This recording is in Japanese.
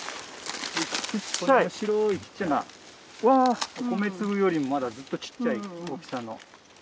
この白いちっちゃな米粒よりもまだずっとちっちゃい大きさの。